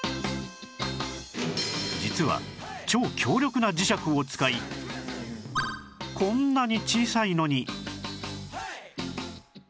実は超強力な磁石を使いこんなに小さいのに